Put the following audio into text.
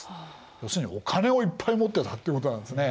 要するにお金をいっぱい持ってたってことなんですね。